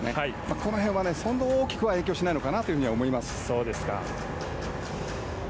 この辺はそんな大きく影響はしないと思います。